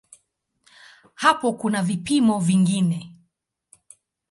Hapo kuna vipimo vingine.